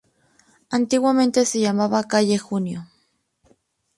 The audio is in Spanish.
Antiguamente se llamaba calle "Junio".